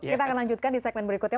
kita akan lanjutkan di segmen berikutnya